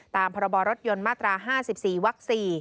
ตามพรรยมาตรา๕๔วัก๔